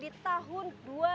di tahun dua ribu dua puluh empat